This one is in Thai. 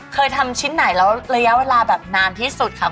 เกิดทำชิ้นไหนระยะเวลานานที่สุดค่ะ